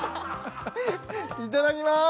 いただきます！